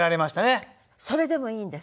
それでもいいんです。